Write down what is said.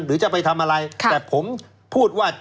หรือจะไปทำอะไรแต่ผมพูดว่า